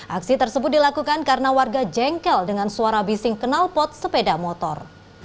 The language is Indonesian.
aksi tersebut dilakukan karena warga jengkel dengan suara bising kenal pot sepeda motor